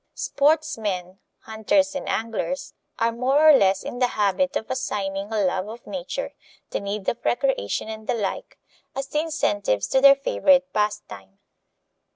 Sportsmen hunters and anglers are more or less in the habit of assigning a love of nature, the need of recreation, and the like, as the incentives to their favorite pastime.